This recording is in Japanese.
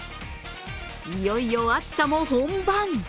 いよいよ暑さも本番。